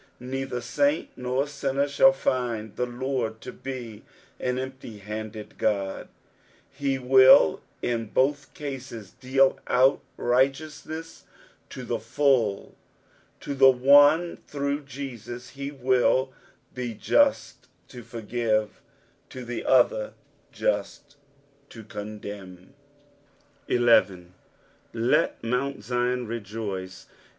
Neither saint nor sinner shall find the Lord to be an empty handed Ood ; be will in both cases deal out righteousness to the full : to the one, through JeauB, he will be just to forgive, to the other just to condemn. 11. " Ltt mount Zion rgaiee."